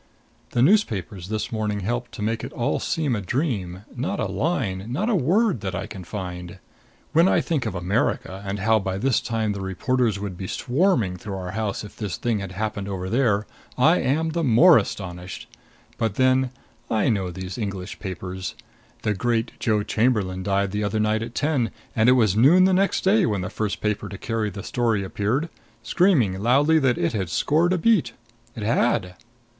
The newspapers this morning helped to make it all seem a dream; not a line not a word, that I can find. When I think of America, and how by this time the reporters would be swarming through our house if this thing had happened over there, I am the more astonished. But then, I know these English papers. The great Joe Chamberlain died the other night at ten, and it was noon the next day when the first paper to carry the story appeared screaming loudly that it had scored a beat. It had.